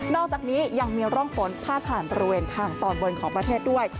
อกจากนี้ยังมีร่องฝนพาดผ่านบริเวณทางตอนบนของประเทศด้วย